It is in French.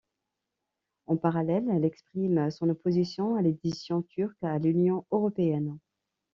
En parallèle, elle exprime son opposition à l'adhésion turque à l'Union européenne.